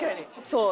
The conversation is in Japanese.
そう。